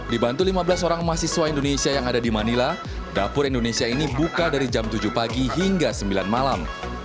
dibantu lima belas orang mahasiswa indonesia yang ada di manila dapur indonesia ini buka dari jam tujuh pagi hingga sembilan malam